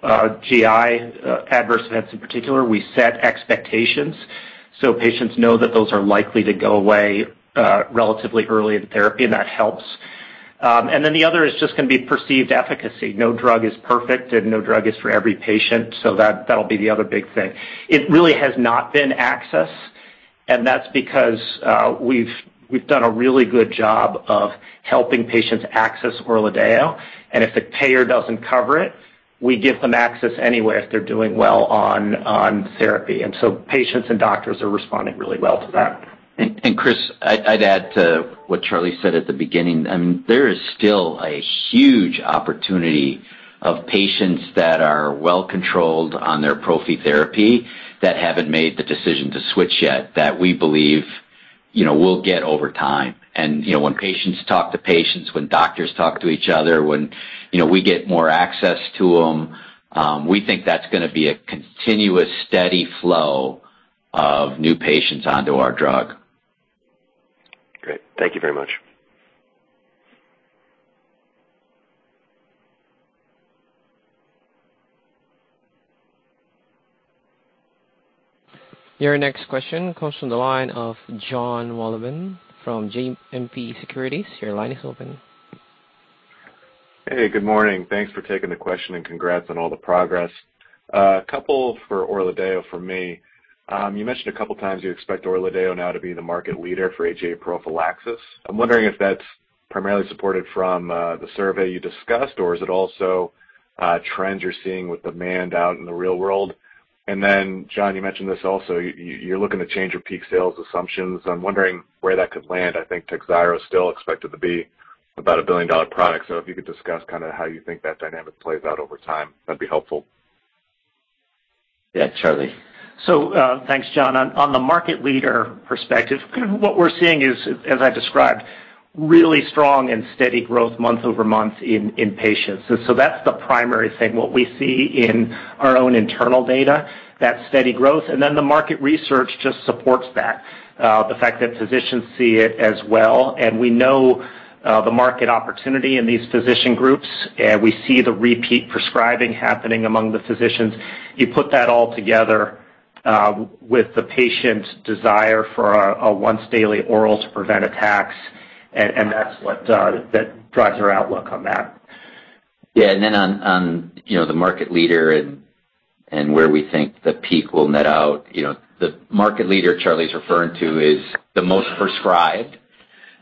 GI adverse events in particular, we set expectations so patients know that those are likely to go away relatively early in therapy, and that helps. The other is just gonna be perceived efficacy. No drug is perfect, and no drug is for every patient, so that'll be the other big thing. It really has not been access, and that's because we've done a really good job of helping patients access ORLADEYO. If the payer doesn't cover it, we give them access anyway if they're doing well on therapy. Patients and doctors are responding really well to that.
Chris, I'd add to what Charlie said at the beginning. There is still a huge opportunity for patients that are well controlled on their prophy therapy that haven't made the decision to switch yet that we believe, you know, we'll get over time. You know, when patients talk to patients, when doctors talk to each other, you know, we get more access to 'em, we think that's gonna be a continuous steady flow of new patients onto our drug.
Great. Thank you very much.
Your next question comes from the line of Jon Wolleben from JMP Securities. Your line is open.
Hey, good morning. Thanks for taking the question, and congrats on all the progress. A couple for ORLADEYO for me. You mentioned a couple times you expect ORLADEYO now to be the market leader for HAE prophylaxis. I'm wondering if that's primarily supported from the survey you discussed, or is it also trends you're seeing with demand out in the real world? Jon, you mentioned this also, you're looking to change your peak sales assumptions. I'm wondering where that could land. I think Takhzyro is still expected to be about a billion-dollar product. If you could discuss kind of how you think that dynamic plays out over time, that'd be helpful.
Yeah, Charlie.
Thanks, Jon. On the market leader perspective, kind of what we're seeing is, as I described, really strong and steady growth month-over-month in patients. That's the primary thing, what we see in our own internal data, that steady growth. The market research just supports that, the fact that physicians see it as well. We know the market opportunity in these physician groups, and we see the repeat prescribing happening among the physicians. You put that all together, with the patient's desire for a once daily oral to prevent attacks, and that's what that drives our outlook on that.
You know, the market leader and where we think the peak will net out, you know, the market leader Charlie's referring to is the most prescribed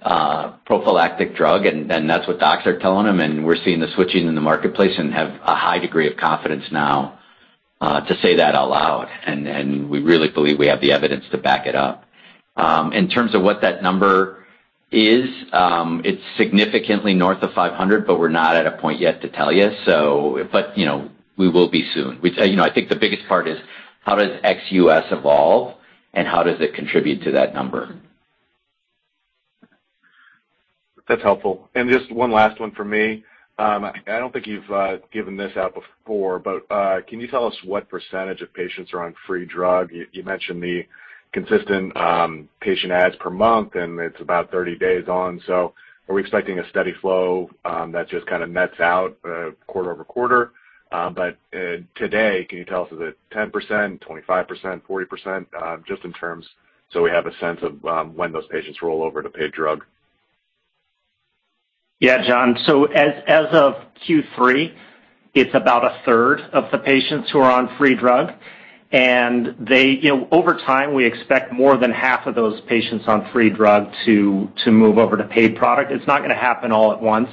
prophylactic drug, and that's what docs are telling him, and we're seeing the switching in the marketplace and have a high degree of confidence now to say that out loud. We really believe we have the evidence to back it up. In terms of what that number is, it's significantly north of 500, but we're not at a point yet to tell you. You know, we will be soon. You know, I think the biggest part is how does ex-U.S. evolve, and how does it contribute to that number?
That's helpful. Just one last one for me. I don't think you've given this out before, but can you tell us what percentage of patients are on free drug? You mentioned the consistent patient adds per month, and it's about 30 days on. So are we expecting a steady flow that just kind of nets out quarter over quarter? But today, can you tell us, is it 10%, 25%, 40%? Just in terms so we have a sense of when those patients roll over to paid drug.
Yeah, Jon. So as of Q3, it's about a third of the patients who are on free drug. They, you know, over time, we expect more than half of those patients on free drug to move over to paid product. It's not gonna happen all at once.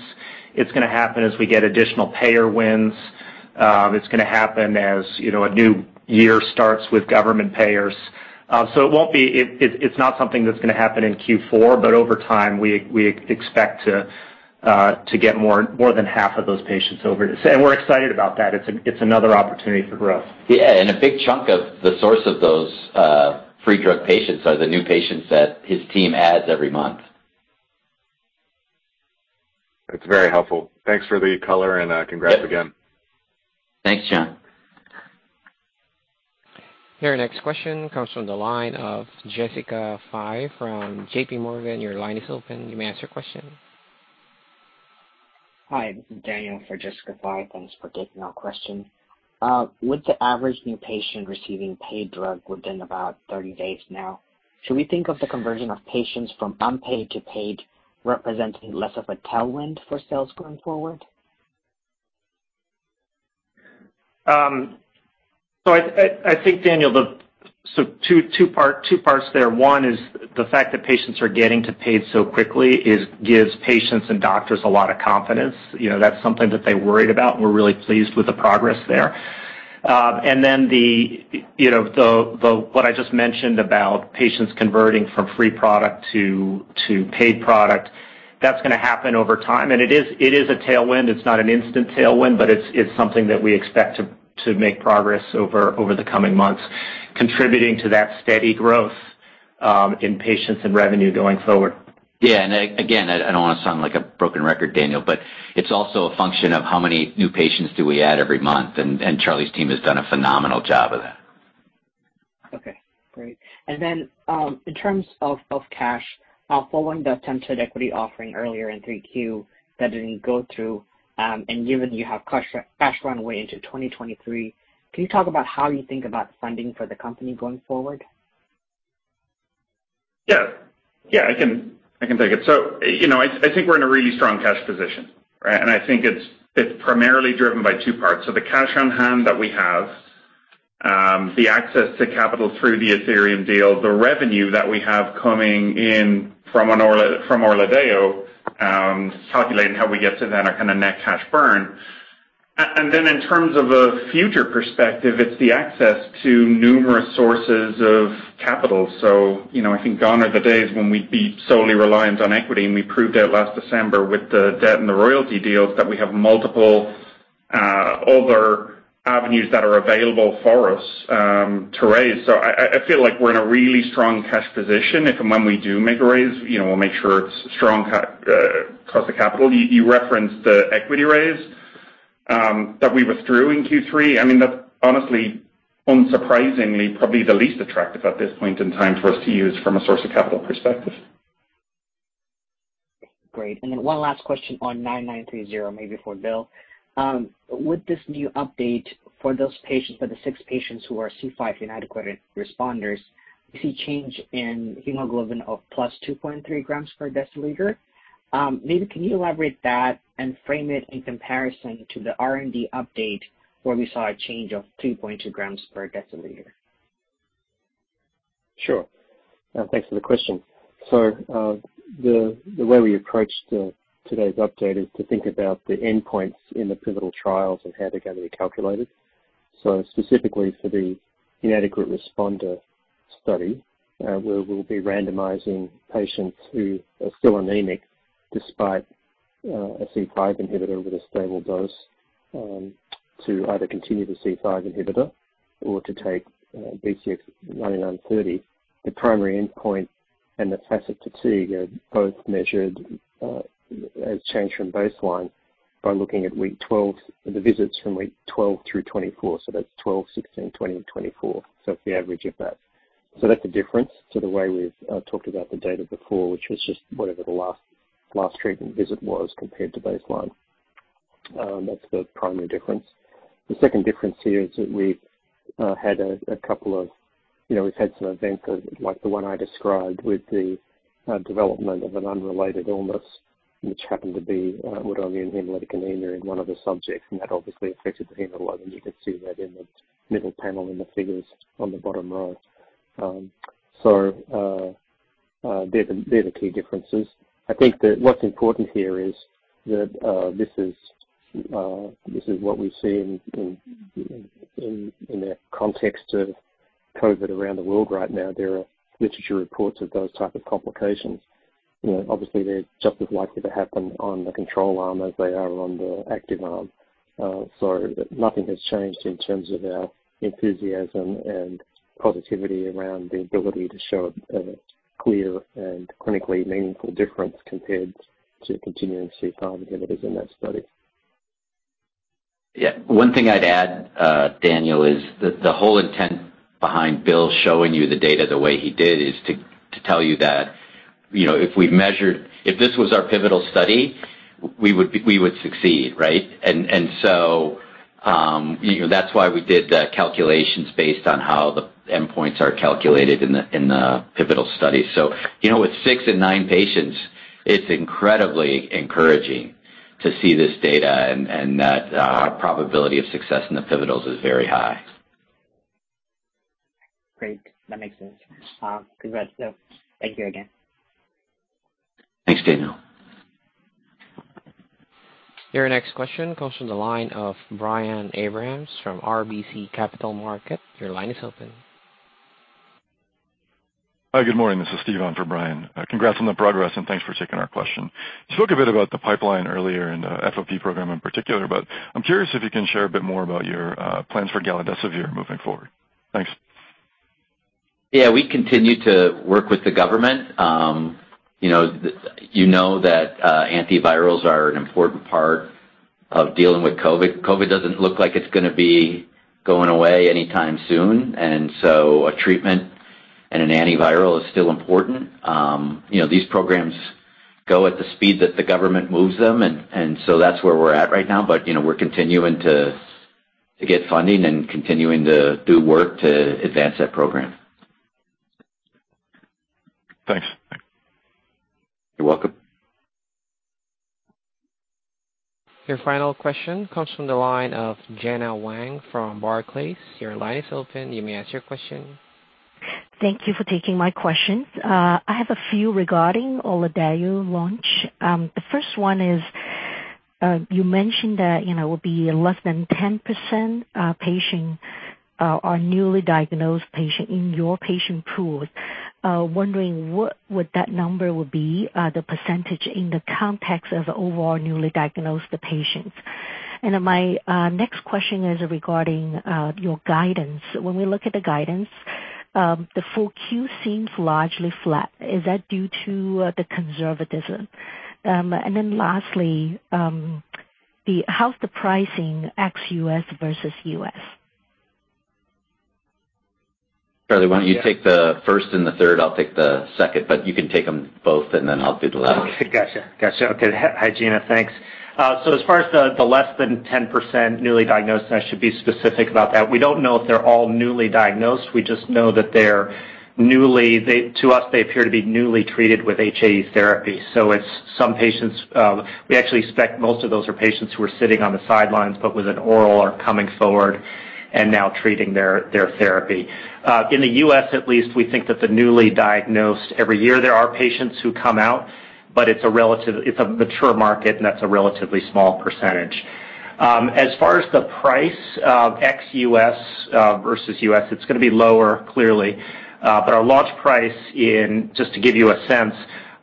It's gonna happen as we get additional payer wins. It's gonna happen as you know, a new year starts with government payers. It's not something that's gonna happen in Q4, but over time, we expect to get more than half of those patients over to. We're excited about that. It's another opportunity for growth.
Yeah. A big chunk of the source of those, free drug patients are the new patients that his team adds every month.
It's very helpful. Thanks for the color, and congrats again.
Thanks, Jon.
Your next question comes from the line of Jessica Fye from JP Morgan. Your line is open. You may ask your question.
Hi, this is Daniel for Jessica Fye. Thanks for taking my question. With the average new patient receiving paid drug within about 30 days now, should we think of the conversion of patients from unpaid to paid representing less of a tailwind for sales going forward?
I think, Daniel, the two parts there. One is the fact that patients are getting to paid so quickly gives patients and doctors a lot of confidence. You know, that's something that they worried about, and we're really pleased with the progress there. Then, you know, what I just mentioned about patients converting from free product to paid product, that's gonna happen over time. It is a tailwind. It's not an instant tailwind, but it's something that we expect to make progress over the coming months, contributing to that steady growth in patients and revenue going forward.
Yeah. Again, I don't wanna sound like a broken record, Daniel, but it's also a function of how many new patients do we add every month, and Charlie's team has done a phenomenal job of that.
Okay, great. In terms of cash, following the attempted equity offering earlier in Q3 that didn't go through, and given you have cash runway into 2023, can you talk about how you think about funding for the company going forward?
Yeah. Yeah, I can take it. You know, I think we're in a really strong cash position, right? I think it's primarily driven by two parts. The cash on hand that we have, the access to capital through the Athyrium deal, the revenue that we have coming in from ORLADEYO, calculating how we get to then a kinda net cash burn. Then in terms of a future perspective, it's the access to numerous sources of capital. You know, I think gone are the days when we'd be solely reliant on equity, and we proved out last December with the debt and the royalty deals that we have multiple other avenues that are available for us to raise. I feel like we're in a really strong cash position. If and when we do make a raise, you know, we'll make sure it's strong cost of capital. You referenced the equity raise that we withdrew in Q3. I mean, that's honestly, unsurprisingly, probably the least attractive at this point in time for us to use from a source of capital perspective.
Great. One last question on 9930 maybe for Bill. With this new update for those patients, for the six patients who are C5 inadequate responders, we see change in hemoglobin of +2.3 grams per deciliter. Maybe can you elaborate that and frame it in comparison to the R&D update where we saw a change of 3.2 grams per deciliter?
Sure. Thanks for the question. The way we approached today's update is to think about the endpoints in the pivotal trials and how they're gonna be calculated. Specifically for the inadequate responder study, where we'll be randomizing patients who are still anemic despite a C5 inhibitor with a stable dose, to either continue the C5 inhibitor or to take BCX9930. The primary endpoint and the FACIT-Fatigue are both measured as change from baseline by looking at week 12, the visits from week 12 through 24, so that's 12, 16, 20, 24. It's the average of that. That's a difference to the way we've talked about the data before, which was just whatever the last treatment visit was compared to baseline. That's the primary difference. The second difference here is that we've had some events like the one I described with the development of an unrelated illness which happened to be autoimmune hemolytic anemia in one of the subjects, and that obviously affected the hemoglobin. You can see that in the middle panel in the figures on the bottom right. They're the key differences. I think that what's important here is that this is what we see in the context of COVID around the world right now. There are literature reports of those type of complications. You know, obviously, they're just as likely to happen on the control arm as they are on the active arm. Nothing has changed in terms of our enthusiasm and positivity around the ability to show a clear and clinically meaningful difference compared to continuing C5 inhibitors in that study.
Yeah. One thing I'd add, Daniel, is the whole intent behind Bill showing you the data the way he did is to tell you that, you know, if this was our pivotal study, we would succeed, right? That's why we did the calculations based on how the endpoints are calculated in the pivotal study. You know, with 6 and 9 patients, it's incredibly encouraging to see this data and that probability of success in the pivotals is very high.
Great. That makes sense. Congrats, Bill. Thank you again.
Thanks, Daniel.
Your next question comes from the line of Brian Abrahams from RBC Capital Markets. Your line is open.
Hi, good morning. This is Steve on for Brian. Congrats on the progress and thanks for taking our question. You spoke a bit about the pipeline earlier in the FOP program in particular, but I'm curious if you can share a bit more about your plans for galidesivir moving forward. Thanks.
Yeah, we continue to work with the government. You know, you know that antivirals are an important part of dealing with COVID. COVID doesn't look like it's gonna be going away anytime soon, and so a treatment and an antiviral is still important. You know, these programs go at the speed that the government moves them, and so that's where we're at right now. You know, we're continuing to get funding and continuing to do work to advance that program.
Thanks.
You're welcome.
Your final question comes from the line of Gena Wang from Barclays. Your line is open. You may ask your question.
Thank you for taking my question. I have a few regarding ORLADEYO launch. The first one is, you mentioned that, you know, will be less than 10%, patients are newly diagnosed patients in your patient pool. Wondering what that number would be, the percentage in the context of overall newly diagnosed patients. Then my next question is regarding your guidance. When we look at the guidance, the full year seems largely flat. Is that due to the conservatism? Then lastly, how's the pricing ex-U.S. versus U.S.?
Charlie, why don't you take the first and the third, I'll take the second, but you can take them both, and then I'll do the last.
Gotcha. Hi, Gena. Thanks. So as far as the less than 10% newly diagnosed, I should be specific about that. We don't know if they're all newly diagnosed. We just know that to us, they appear to be newly treated with HAE therapy. So it's some patients. We actually expect most of those are patients who are sitting on the sidelines, but with an oral are coming forward and now treating their therapy. In the U.S., at least, we think that the newly diagnosed every year there are patients who come out, but it's a mature market, and that's a relatively small percentage. As far as the price ex-U.S. versus U.S., it's gonna be lower, clearly. But our launch price in... Just to give you a sense,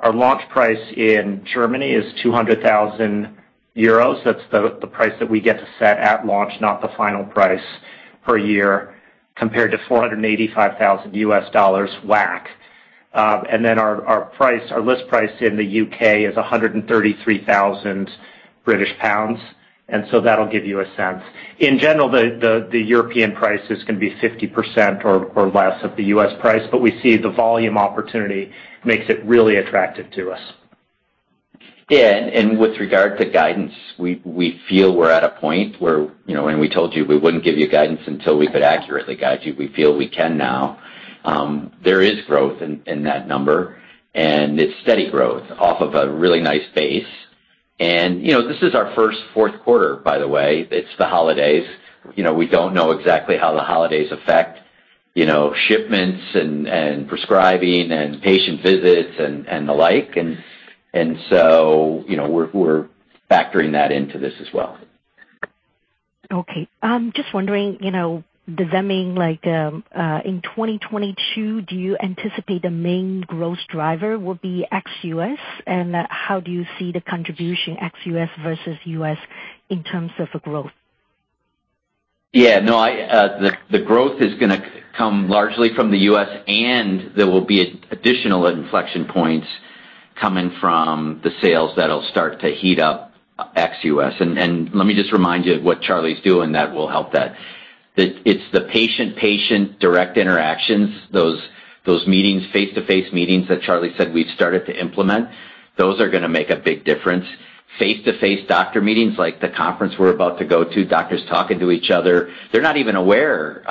our launch price in Germany is 200,000 euros. That's the price that we get to set at launch, not the final price per year, compared to $485,000 WAC. And then our price, our list price in the U.K. is 133,000 British pounds, and so that'll give you a sense. In general, the European price is gonna be 50% or less of the U.S. price, but we see the volume opportunity makes it really attractive to us.
Yeah, with regard to guidance, we feel we're at a point where, you know, we told you we wouldn't give you guidance until we could accurately guide you. We feel we can now. There is growth in that number, and it's steady growth off of a really nice base. You know, this is our first fourth quarter, by the way. It's the holidays. You know, we don't know exactly how the holidays affect, you know, shipments and prescribing and patient visits and the like. You know, we're factoring that into this as well.
Okay. Just wondering, you know, does that mean like in 2022, do you anticipate the main growth driver will be ex-U.S.? How do you see the contribution ex-U.S. versus U.S. in terms of growth?
The growth is gonna come largely from the U.S. and there will be additional inflection points coming from the sales that'll start to heat up ex-U.S. Let me just remind you of what Charlie's doing that will help that. It's the patient direct interactions, those meetings, face-to-face meetings that Charlie said we've started to implement. Those are gonna make a big difference. Face-to-face doctor meetings, like the conference we're about to go to, doctors talking to each other. They're not even aware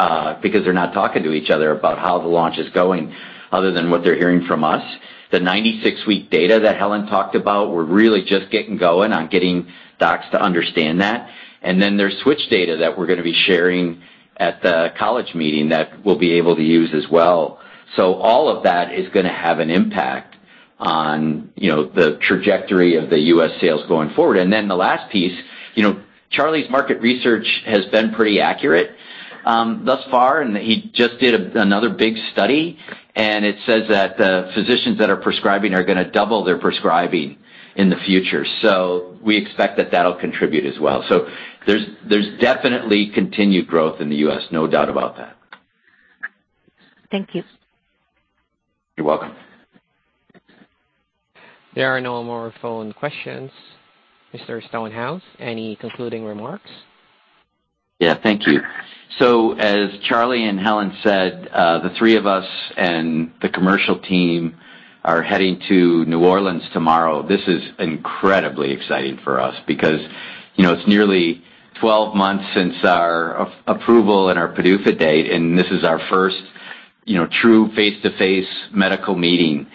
because they're not talking to each other about how the launch is going other than what they're hearing from us. The 96-week data that Helen talked about, we're really just getting going on getting docs to understand that. There's switch data that we're gonna be sharing at the college meeting that we'll be able to use as well. All of that is gonna have an impact on, you know, the trajectory of the U.S. sales going forward. The last piece, you know, Charlie's market research has been pretty accurate, thus far, and he just did another big study, and it says that the physicians that are prescribing are gonna double their prescribing in the future. We expect that that'll contribute as well. There's definitely continued growth in the U.S. No doubt about that.
Thank you.
You're welcome.
There are no more phone questions. Mr. Stonehouse, any concluding remarks?
Yeah, thank you. As Charlie and Helen said, the three of us and the commercial team are heading to New Orleans tomorrow. This is incredibly exciting for us because, you know, it's nearly 12 months since our FDA approval and our PDUFA date, and this is our first, you know, true face-to-face medical meeting.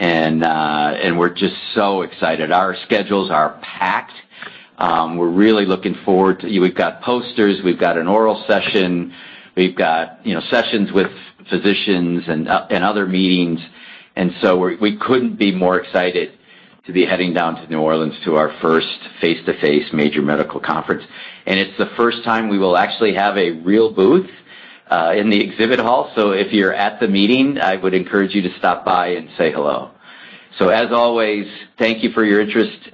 We're just so excited. Our schedules are packed. We're really looking forward to. We've got posters, we've got an oral session, we've got, you know, sessions with physicians and other meetings, and we're couldn't be more excited to be heading down to New Orleans to our first face-to-face major medical conference. It's the first time we will actually have a real booth in the exhibit hall. If you're at the meeting, I would encourage you to stop by and say hello. As always, thank you for your interest.